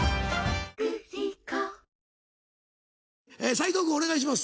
齋藤君お願いします。